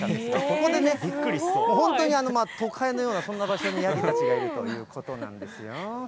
ここでね、本当に都会のようなそんな場所にヤギたちがいるということなんですよ。